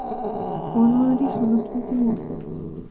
বর্ণনাটির সনদ ত্রুটিমুক্ত।